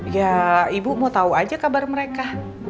ya ibu mau tahu aja kabar mereka